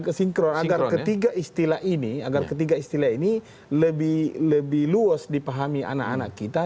kesinkron agar ketiga istilah ini agar ketiga istilah ini lebih lebih luas dipahami anak anak kita